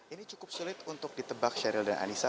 ini cukup sulit untuk ditebak sheryl dan anissa